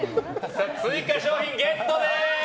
追加賞品ゲットです！